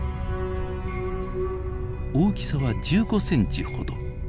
大きさは１５ｃｍほど。